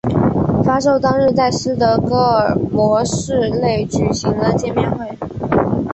发售当日在斯德哥尔摩市内举行了见面会。